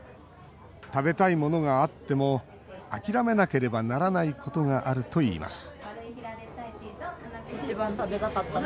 食べたいものがあっても諦めなければならないことがあるといいます